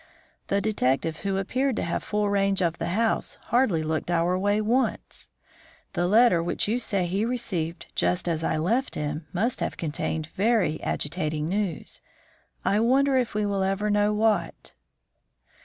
The detective, who appeared to have full range of the house, hardly looked our way once. The letter which you say he received just as I left him must have contained very agitating news. I wonder if we will ever know what."